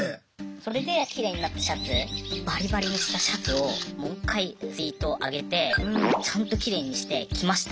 それでキレイになったシャツバリバリにしたシャツをもう一回ツイートを上げて「ちゃんとキレイにして着ました！」